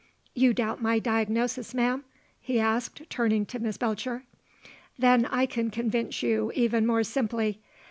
You doubt my diagnosis, ma'am?" he asked, turning to Miss Belcher. "Then I can convince you even more simply.